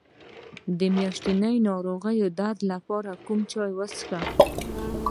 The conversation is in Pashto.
د میاشتنۍ ناروغۍ درد لپاره کوم چای وڅښم؟